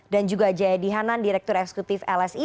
dan juga jayadi hanan direktur eksekutif lsi